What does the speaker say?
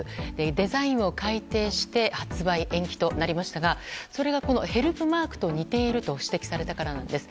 デザインを改定して発売延期となりましたがそれがヘルプマークと似ていると指摘されたからなんです。